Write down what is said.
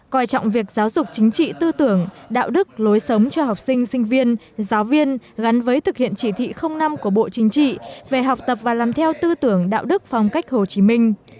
coi trọng việc giáo dục chính trị tư tưởng đạo đức lối sống cho học sinh sinh viên giáo viên gắn với thực hiện chỉ thị năm của bộ chính trị về học tập và làm theo tư tưởng đạo đức phong cách hồ chí minh